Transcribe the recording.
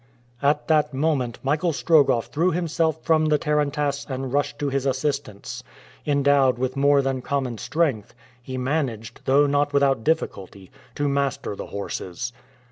At that moment Michael Strogoff threw himself from the tarantass and rushed to his assistance. Endowed with more than common strength, he managed, though not without difficulty, to master the horses.